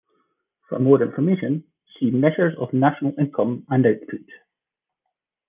For more information, see Measures of national income and output.